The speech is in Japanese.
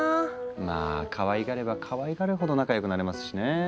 まあかわいがればかわいがるほど仲良くなれますしね。